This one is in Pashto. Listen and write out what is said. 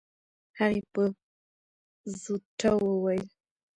هغې په زوټه وويل.